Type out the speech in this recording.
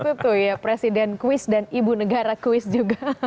betul ya presiden kuis dan ibu negara kuis juga